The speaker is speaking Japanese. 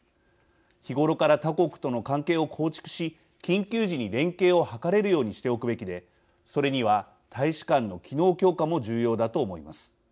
日頃から他国との関係を構築し緊急時に連携を図れるようにしておくべきでそれには大使館の機能強化も重要だと思います。